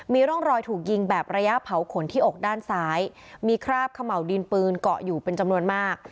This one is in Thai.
มีร่องรอยถูกยิงแบบระยะเผาขนที่อกด้านซ้ายมีคราบเขม่าวดินปืนเกาะอยู่เป็นจำนวนมาก